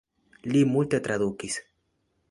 Li multe tradukis.